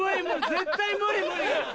絶対無理無理。